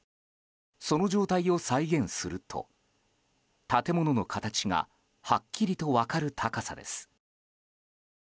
その状態を再現すると建物の形がはっきりと分かる高さです。